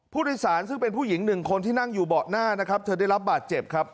ผู้โดยสารซึ่งเป็นผู้หญิงหนึ่งคนที่นั่งอยู่เบาะหน้านะครับเธอได้รับบาดเจ็บครับ